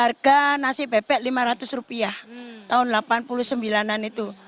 seharga nasi bebek lima ratus rupiah tahun delapan puluh sembilan an itu